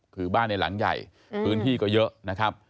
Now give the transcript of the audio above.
คือบ้านในหลังใหญ่พื้นที่ก็เยอะนะครับ